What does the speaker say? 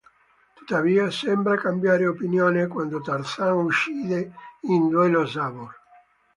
Tuttavia sembra cambiare opinione quando Tarzan uccide in duello Sabor.